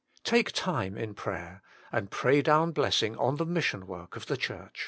Take time in prayer, and pray down blessing on the mission work of the Church.